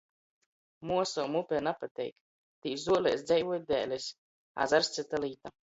Muosom upe napateik — tī zuolēs dzeivoj dēlis. Azars — cyta līta.